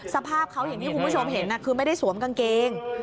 สภาพเขาอย่างที่คุณผู้ชมเห็นคือไม่ได้สวมกางเกง